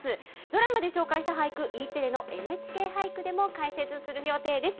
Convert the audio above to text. ドラマで紹介した俳句、ＥテレのＮＨＫ俳句でも解説する予定です。